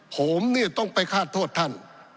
ผมเนี่ยต้องไปฆาตโทษท่าน